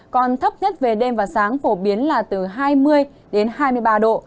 còn thấp nhất về đêm và sáng phổ biến là từ hai mươi đến hai mươi ba độ